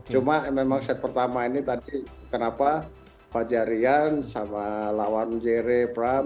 cuma memang set pertama ini tadi kenapa fajarian sama lawan jere pram